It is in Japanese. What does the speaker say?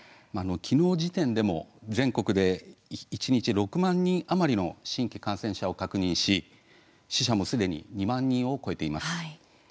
きのう時点でも全国で一日６万人余りの新規感染者を確認し死者もすでに２万人を超えています。